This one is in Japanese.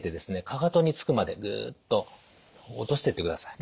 かかとにつくまでグッと落としてってください。